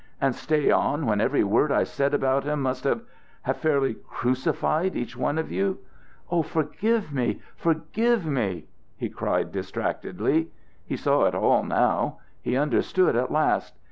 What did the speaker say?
And stay on, when every word I said about him must have have fairly crucified each one of you! Oh, forgive me! forgive me!" he cried distractedly. He saw it all now; he understood at last.